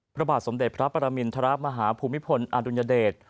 พระบาทสมเด็จพระปรมินทรมาฮาภูมิพลอดุลยเดช